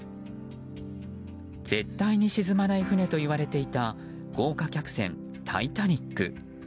絶対に沈まないといわれていた豪華客船「タイタニック」。